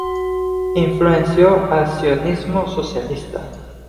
Influenció al Sionismo Socialista.